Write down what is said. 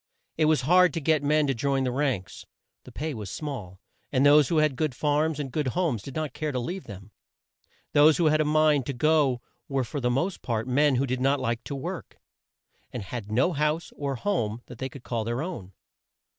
It was hard work to get men to join the ranks. The pay was small, and those who had good farms and good homes did not care to leave them. Those who had a mind to go were for the most part men who did not like to work, and had no house or home they could call their own.